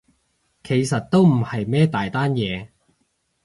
其實都唔係咩大單嘢